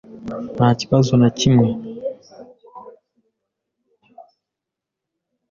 Nta kibazo na kimwe.